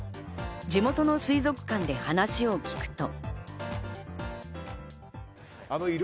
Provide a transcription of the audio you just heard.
地元の水族館で話を聞くと。